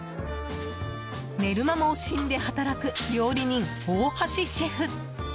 寝る間も惜しんで働く料理人・大橋シェフ。